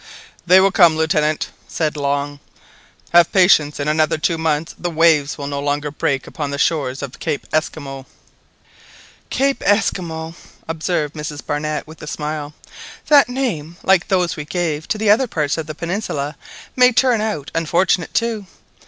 "They will come, Lieutenant," said Long; "have patience, in another two months the waves will no longer break upon the shores of Cape Esquimaux." "Cape Esquimaux!" observed Mrs Barnett with a smile. "That name, like those we gave to the other parts of the peninsula, may turn out unfortunate too.